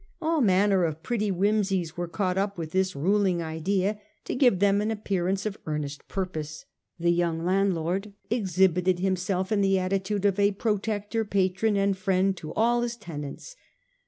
All manner of pretty whimsies were caught up with this ruling idea to give them an appearance of earnest purpose. The young landlord exhibited himself in the attitude of a protector, patron and friend to all his tenants.